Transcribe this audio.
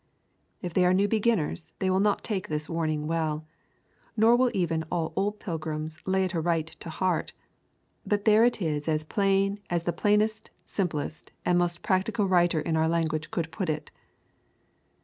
If they are new beginners they will not take this warning well, nor will even all old pilgrims lay it aright to heart; but there it is as plain as the plainest, simplest, and most practical writer in our language could put it.